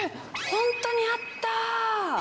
本当にあった。